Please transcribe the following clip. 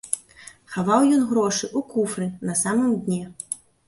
Хаваў ён грошы ў куфры на самым дне.